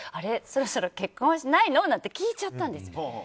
そろそろ結婚しないの？なんて聞いちゃったんです。